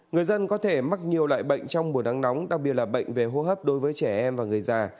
người dân có thể mắc nhiều loại bệnh trong mùa nắng nóng đặc biệt là bệnh về hô hấp đối với trẻ em và người già